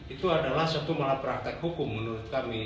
itu adalah satu malapraktek hukum menurut kami